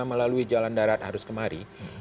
melalui jalan darat arus kemari